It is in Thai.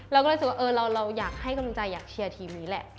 เราก็เลยรู้สึกว่าเราอยากให้กำลังใจอยากเชียร์ทีมนี้แหละ